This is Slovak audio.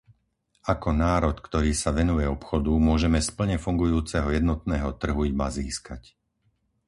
Ako národ, ktorý sa venuje obchodu, môžeme z plne fungujúceho jednotného trhu iba získať.